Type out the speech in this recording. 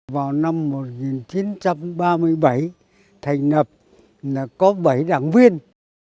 vào năm một nghìn chín trăm ba mươi bảy thành lập là có bảy đảng viên